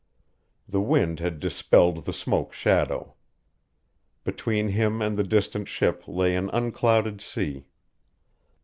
The wind had dispelled the smoke shadow. Between him and the distant ship lay an unclouded sea.